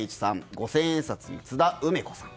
五千円札に津田梅子さん